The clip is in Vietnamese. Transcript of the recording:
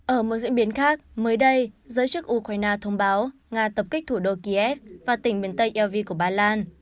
ở một diễn biến khác mới đây giới chức ukraine thông báo nga tập kích thủ đô kiev và tỉnh miền tây lvi của bà lan